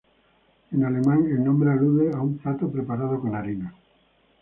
En alemán el nombre alude a un plato preparado con harina.